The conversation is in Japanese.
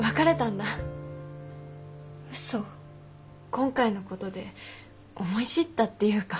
今回のことで思い知ったっていうか。